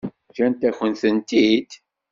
Ǧǧant-akent-tent-id?